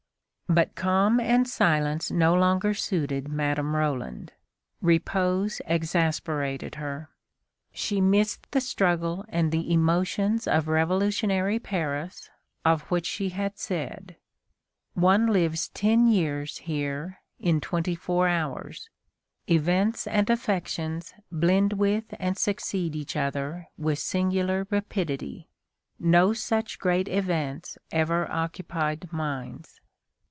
But calm and silence no longer suited Madame Roland. Repose exasperated her. She missed the struggle and the emotions of revolutionary Paris, of which she had said: "One lives ten years here in twenty four hours; events and affections blend with and succeed each other with singular rapidity; no such great events ever occupied minds."